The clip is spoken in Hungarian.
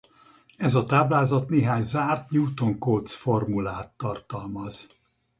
Ez a táblázat néhány zárt Newton–Cotes-formulát tartalmaz.